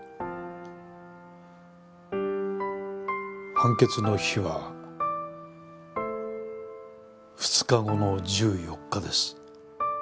判決の日は２日後の１４日です。